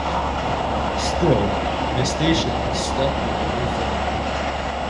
Still, the station stuck with the new format.